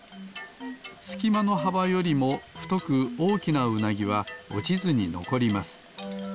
すきまのはばよりもふとくおおきなウナギはおちずにのこります。